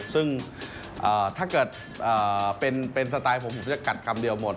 ซึ่งถ้าเกิดเป็นสไตล์ผมผมจะกัดคำเดียวหมด